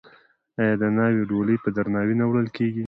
آیا د ناوې ډولۍ په درناوي نه وړل کیږي؟